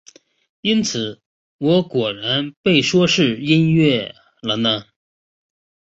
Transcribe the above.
因此我果然被说是音色了呢。